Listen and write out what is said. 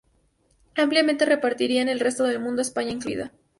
Ampliamente repartida en el resto del mundo, España incluida.